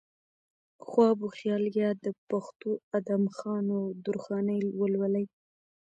خواب وخيال يا د پښتو ادم خان و درخانۍ ولولئ